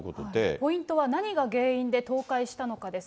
ポイントは何が原因で倒壊したのかです。